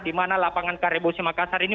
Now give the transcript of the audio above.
dimana lapangan karebosi makassar ini